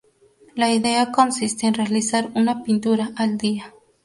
La idea consiste en realizar una pintura al día.